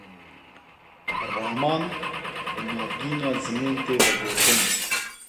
Raman, bi navgîna zimên tê vegotin